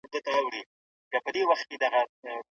چېري افغان سوداګر له خپلو بهرنیو همکارانو سره لیدني کوي؟